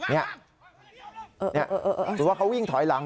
หรือว่าเขาวิ่งถอยหลัง